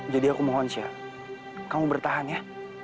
jadi aku mohon siar kamu bertahan ya